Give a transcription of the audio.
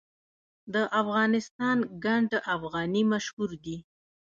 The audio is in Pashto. د افغانستان ګنډ افغاني مشهور دی